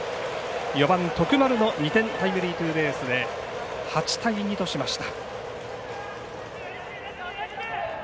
４番徳丸の２点タイムリーツーベースで８対２としました。